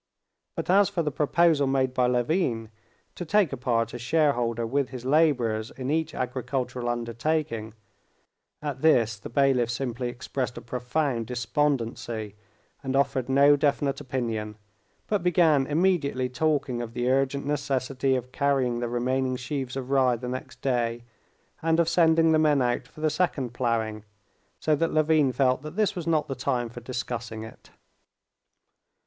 But as for the proposal made by Levin—to take a part as shareholder with his laborers in each agricultural undertaking—at this the bailiff simply expressed a profound despondency, and offered no definite opinion, but began immediately talking of the urgent necessity of carrying the remaining sheaves of rye the next day, and of sending the men out for the second ploughing, so that Levin felt that this was not the time for discussing it.